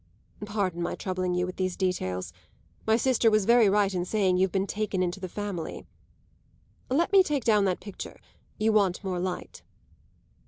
Pardon my troubling you with these details; my sister was very right in saying you've been taken into the family. Let me take down that picture; you want more light."